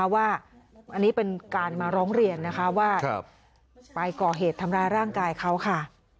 ว่าอันนี้เป็นการมาร้องเรียนนะคะว่าไปก่อเหตุทำร้ายร่างกายเขาค่ะ